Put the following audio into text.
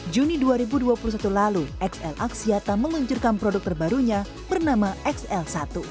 juni dua ribu dua puluh satu lalu xl aksiata meluncurkan produk terbarunya bernama xl satu